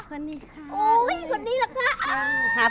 คนนี้ค่ะ